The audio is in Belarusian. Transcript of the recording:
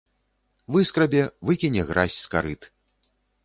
Выскрабе, выкіне гразь з карыт.